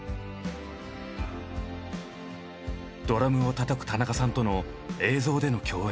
ドラムをたたく田中さんとの映像での共演。